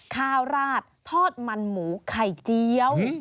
ข้าวราดทอดมันหมูไข่เจี๊ยว